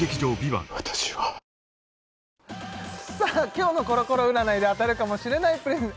今日のコロコロ占いで当たるかもしれないプレゼント